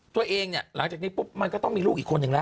ตัวเองเนี่ยหลังจากนี้ปุ๊บมันก็ต้องมีลูกอีกคนนึงแล้ว